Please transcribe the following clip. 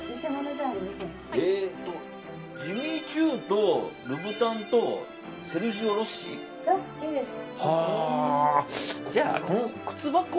ジミーチュウとルブタンとセルジオロッシ？が好きです。